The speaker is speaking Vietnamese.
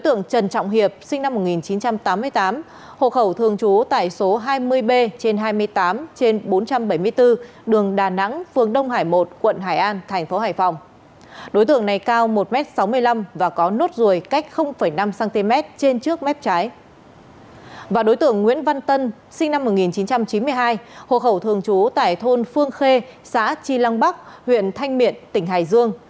đối tượng nguyễn văn tân sinh năm một nghìn chín trăm chín mươi hai hồ khẩu thường trú tại thôn phương khê xã chi lăng bắc huyện thanh miện tỉnh hải dương